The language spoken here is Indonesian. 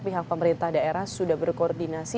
pihak pemerintah daerah sudah berkoordinasi